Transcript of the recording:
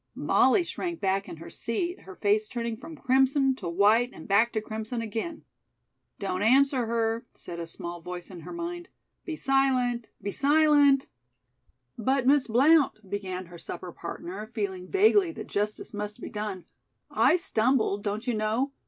Molly shrank back in her seat, her face turning from crimson to white and back to crimson again. "Don't answer her," said a small voice in her mind. "Be silent! Be silent!" "But, Miss Blount," began her supper partner, feeling vaguely that justice must be done, "I stumbled, don't you know?